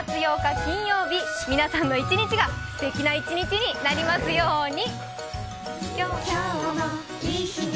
金曜日、皆さんの１日がすてきな１日になりますように。